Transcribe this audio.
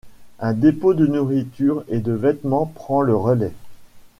Un dépôt de nourriture et de vêtements prend le relais.